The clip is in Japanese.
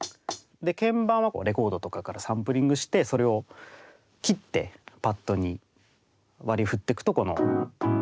鍵盤はレコードとかからサンプリングしてそれを切ってパッドに割りふってくとこの。